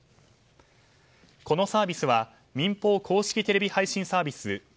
このサービスは民放公式テレビ配信サービス